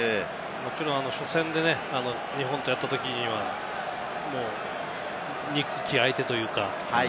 初戦で日本とやったときには憎き相手というか。